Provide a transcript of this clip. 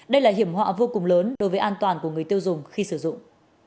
đây là hiểm họa vô cùng lớn đối với an toàn của người tiêu dùng khi sử dụng